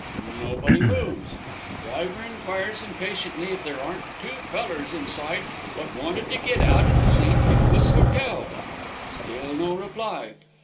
Nobody moves. Driver inquires, impatiently, if there ain't 'two fellers inside wot wanted to git out at the St. Nicholas Hotel.' Still no reply.